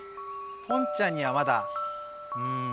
ポンちゃんにはまだうん。